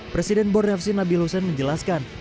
presiden borneo fc nabil hussain menjelaskan